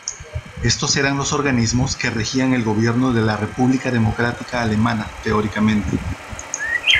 Estos eran los organismos que regían el Gobierno de la República Democrática Alemana teóricamente.